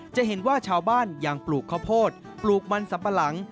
จะเห็นว่าชาวบ้านยังปลูกข้าวโพดปลูกมันสัมปะหลัง